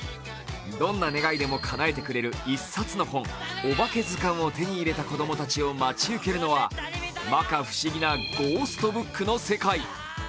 どんな願いでもかなえてくれる一冊の本、「おばけずかん」を手に入れた子供たちを待ち受けるのはまか不思議なゴーストブックの世界。